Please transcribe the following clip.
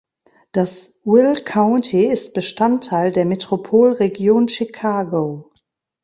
Das Will County ist Bestandteil der Metropolregion Chicago.